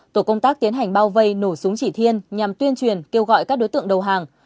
tổ công tác tiến hành bao vây nổ súng chỉ thiên nhằm tuyên truyền kêu gọi các đối tượng đầu hàng